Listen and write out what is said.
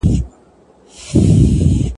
خو دا مي په خپل ښار کي له لویانو اورېدلي `